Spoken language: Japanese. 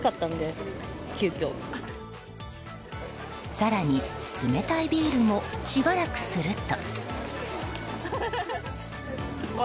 更に、冷たいビールもしばらくすると。